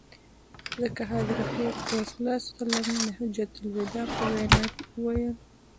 ځکه حضرت رسول ص د حجة الوداع په وینا کي وویل.